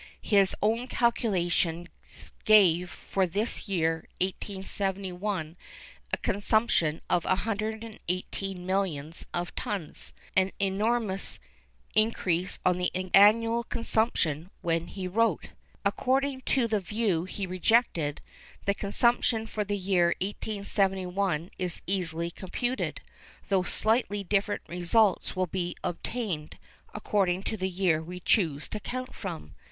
His own calculations gave for this year 1871 a consumption of 118 millions of tons,—an enormous increase on the annual consumption when he wrote. According to the view he rejected, the consumption for the year 1871 is easily computed, though slightly different results will be obtained, according to the year we choose to count from.